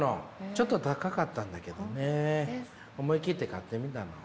ちょっと高かったんだけどね思い切って買ってみたの。